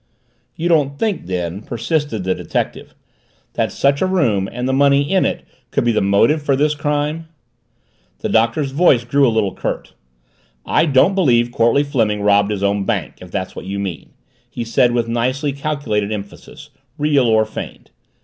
"You don't think then," persisted the detective, "that such a room and the money in it could be the motive for this crime?" The Doctor's voice grew a little curt. "I don't believe Courtleigh Fleming robbed his own bank, if that's what you mean," he said with nicely calculated emphasis, real or feigned.